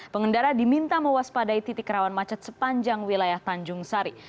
pengendara diminta mewaspadai titik rawan macet sepanjang wilayah tanjung sari